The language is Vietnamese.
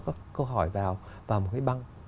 câu hỏi vào một cái băng